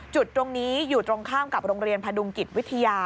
จุดตรงนี้อยู่ตรงข้ามกับโรงเรียนพดุงกิจวิทยา